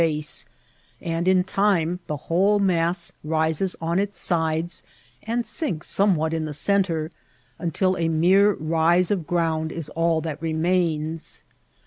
base, and in time the whole mass rises on its sides and sinks somewhat in the centre, until a mere rise of ground is all that remains.